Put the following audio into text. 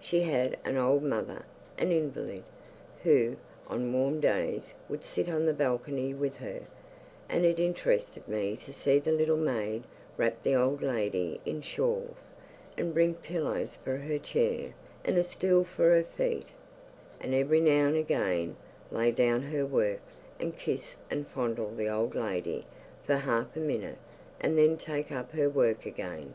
She had an old mother, an invalid, who, on warm days, would sit on the balcony with her, and it interested me to see the little maid wrap the old lady in shawls, and bring pillows for her chair, and a stool for her feet, and every now and again lay down her work and kiss and fondle the old lady for half a minute, and then take up her work again.